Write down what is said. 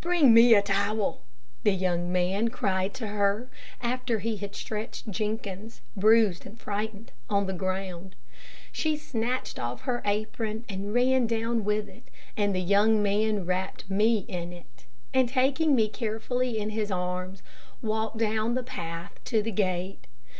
"Bring me a towel," the young man cried to her, after he had stretched Jenkins, bruised and frightened, on the ground. She snatched off her apron, and ran down with it, and the young man wrapped me in it, and taking me carefully in his arms, walked down the path to the gate.